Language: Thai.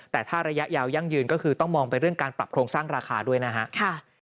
แต่ถ้าระยะยาวยั่งยืนก็คือต้องมองไปเรื่องการปรับโครงสร้างราคาด้วยนะครับ